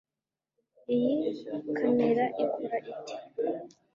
Iyi kamera ikora ite